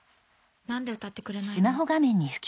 「何で歌ってくれないの？」。